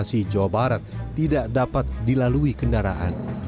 bekasi jawa barat tidak dapat dilalui kendaraan